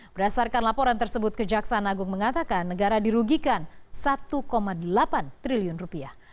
berdasarkan laporan tersebut kejaksaan agung mengatakan negara dirugikan satu delapan triliun rupiah